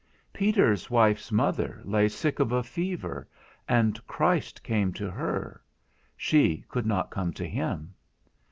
Peter's wife's mother lay sick of a fever, and Christ came to her; she could not come to him.